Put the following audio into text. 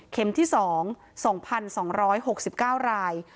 เข็มที่สอง๒๒๖๙ราย